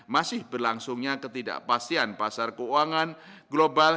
masih berlangsungnya ketidakpastian pasar keuangan global